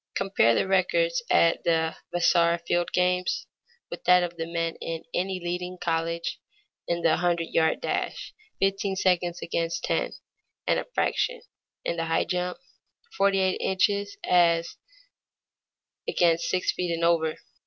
Compare the records at the Vassar field games with that of the men in any leading college: in the hundred yard dash, fifteen seconds as against ten and a fraction; in the high jump, forty eight inches as against six feet and over.